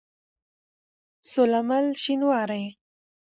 سوله مل شينوارى